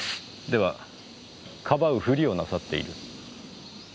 では庇う振りをなさっている？